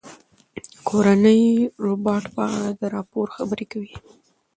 د کورني روباټ په اړه دا راپور خبرې کوي.